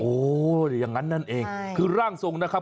อย่างนั้นนั่นเองคือร่างทรงนะครับ